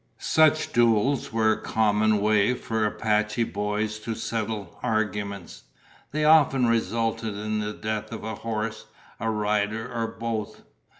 Such duels were a common way for Apache boys to settle arguments. They often resulted in the death of a horse, a rider, or both.